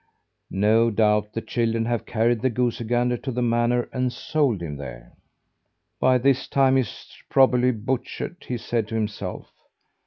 "No doubt the children have carried the goosey gander to the manor and sold him there. By this time he's probably butchered," he said to himself.